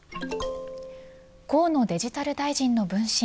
河野デジタル大臣の分身